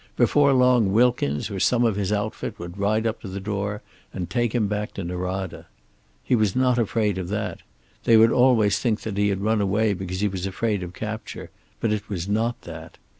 Before long Wilkins or some of his outfit would ride up to the door, and take him back to Norada. He was not afraid of that. They would always think he had run away because he was afraid of capture, but it was not that.